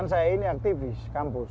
saya ini aktivis kampus